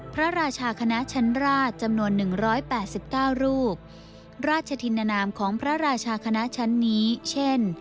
พระราชาคณะชั้นราชจำนวน๑๘๙รูปราชธินนามของพระราชาคณะชั้นนี้เช่น